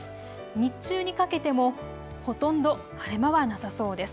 日中にかけてもほとんど晴れ間はなさそうです。